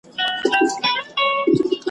د نظر غشی به مي نن له شالماره څارې ,